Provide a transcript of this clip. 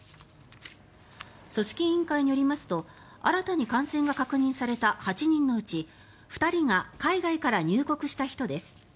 組織委員会によりますと新たに感染が確認された８人のうち２人が海外から入国した人です。